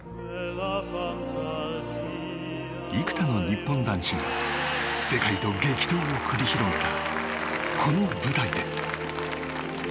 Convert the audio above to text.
幾多の日本男子が、世界と激闘を繰り広げたこの舞台で。